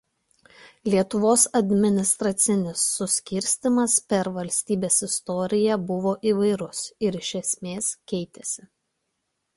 Lietuvos administracinis suskirstymas per valstybės istoriją buvo įvairus ir iš esmės keitėsi.